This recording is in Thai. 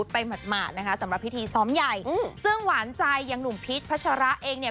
ไปหมดหมาดสำหรับพิธีซ้ำใหญ่ซึ่งหวานใจยังหนุ่มภิษภัชระเองเนี้ย